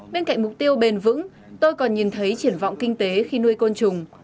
bên cạnh mục tiêu bền vững tôi còn nhìn thấy triển vọng kinh tế khi nuôi côn trùng